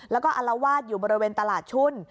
แล้วก็อลวาดอยู่บริเวณตลาดชุ่น